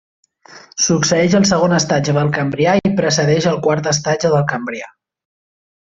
Succeeix el segon estatge del Cambrià i precedeix el quart estatge del Cambrià.